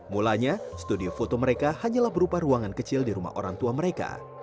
mulanya studio foto mereka hanyalah berupa ruangan kecil di rumah orang tua mereka